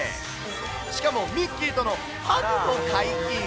しかもミッキーとのハグも解禁。